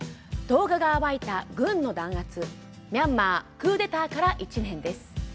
「動画が暴いた軍の弾圧ミャンマークーデターから１年」。